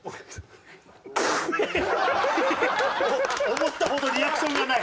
思ったほどリアクションがない。